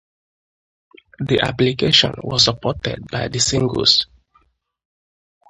The application was supported by the singles.